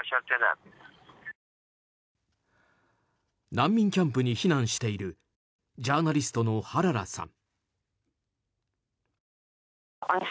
難民キャンプに避難しているジャーナリストのハララさん。